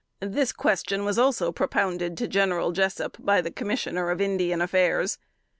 This question was also propounded to General Jessup by the Commissioner of Indian Affairs.